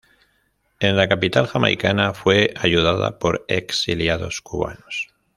En la capital jamaicana fue ayudada por exiliados cubanos.